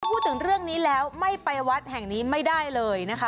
พูดถึงเรื่องนี้แล้วไม่ไปวัดแห่งนี้ไม่ได้เลยนะคะ